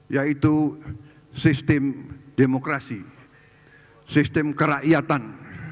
yaitu sistem demokrasi sistem kerakyatan